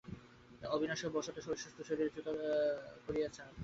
অবিনাশ এবং বসন্ত অসুস্থ শরীরের ছুতা করিয়া চার-পাঁচ দিনের মধ্যেই কলিকাতায় ফিরিয়া আসিল।